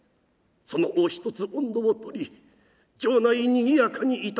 その方ひとつ音頭を取り城内にぎやかにいたするように」。